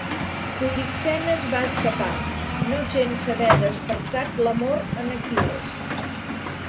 Polixena es va escapar, no sense haver despertat l'amor en Aquil·les.